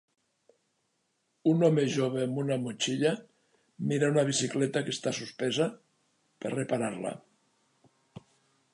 Un home jove amb una motxilla mira una bicicleta que està suspesa per reparar-la.